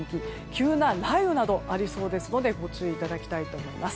急な雷雨などがありそうなのでご注意いただきたいと思います。